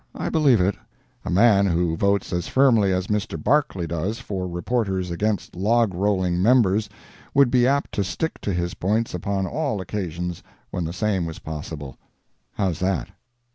I believe it. A man who votes as firmly as Mr. Barclay does for reporters against log rolling members, would be apt to stick to his points upon all occasions when the same was possible. How's that?